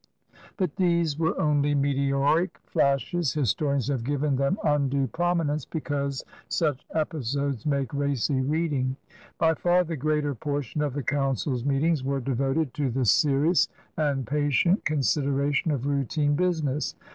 But these were only meteoric flashes. Historians have given them undue prominence because such episodes 66 CRUSADERS OF NEW FEtANCE make racy reading. By far the greater portion of the council's meetings were devoted to the serious and patient consideration of routine busi ness.